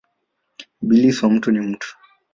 Ibilisi wa mtu ni mtu